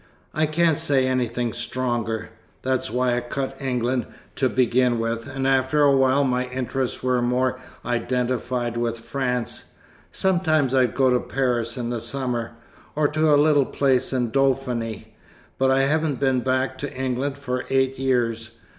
I can't say anything stronger! That's why I cut England, to begin with, and after a while my interests were more identified with France. Sometimes I go to Paris in the summer or to a little place in Dauphiny. But I haven't been back to England for eight years.